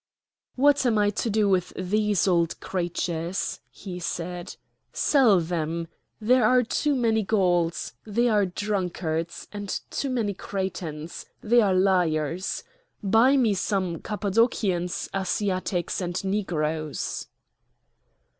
"What am I to do with these old creatures?" he said. "Sell them! There are too many Gauls: they are drunkards! and too many Cretans: they are liars! Buy me some Cappadocians, Asiatics, and Negroes."